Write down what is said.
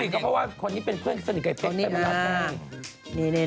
เพราะว่าคนนี้เป็นเพื่อนสนิกกับไอ้เป๊ะเป็นเพื่อนสนิกกับไอ้เป๊ะ